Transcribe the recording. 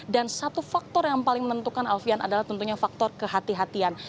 dan satu faktor yang paling menentukan alfian adalah tentunya faktor kehatian